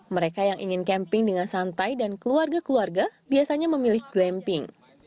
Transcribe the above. mereka yang ingin camping dengan santai dan keluarga keluarga biasanya memilih glamping